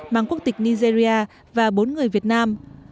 mang quốc tịch nigeria và bốn người việt nam